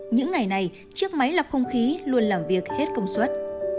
những ngày này chiếc máy lọc không khí luôn làm việc hết công suất